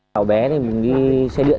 đảo bé thì mình đi xe điện